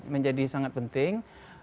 menjadi sangat penting